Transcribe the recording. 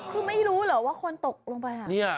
คือไม่รู้เหรอว่าคนตกลงไป